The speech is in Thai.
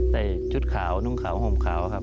ชุดขาวนุ่งขาวห่มขาวครับ